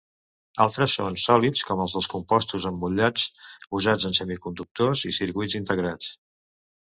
Altres són sòlids, com els dels compostos emmotllats usats en semiconductors i circuits integrats.